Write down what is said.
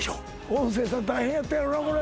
音声さん大変やったやろうなこれ。